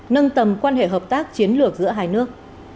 nâng tầm quan hệ hợp tác chiến lược giữa hai nước